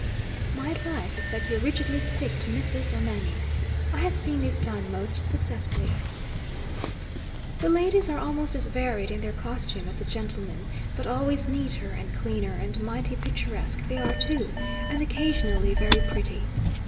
My advice is that you rigidly stick to missus or mammy. I have seen this done most successfully. The ladies are almost as varied in their costume as the gentlemen, but always neater and cleaner; and mighty picturesque they are too, and occasionally very pretty.